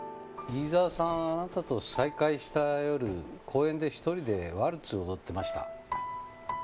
飯沢さんあなたと再会した夜公園で１人でワルツ踊ってました。